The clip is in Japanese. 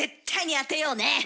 当てよう。